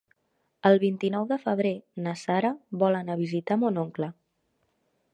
El vint-i-nou de febrer na Sara vol anar a visitar mon oncle.